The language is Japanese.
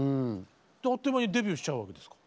あっという間にデビューしちゃうわけですか？